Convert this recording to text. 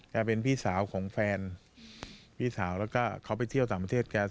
เป็นพี่สาวของแฟนพี่สาวแล้วก็เขาไปเที่ยวต่างประเทศแก